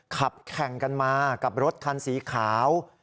ขับแข่งกันมากับรถคันสีขาว